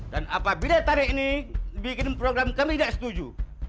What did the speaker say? dan apabila tarik ini bikin program kami tidak setuju